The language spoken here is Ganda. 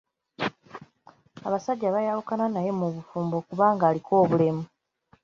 Abasajja bayawukana naye mu bufumbo kubanga aliko obulemu.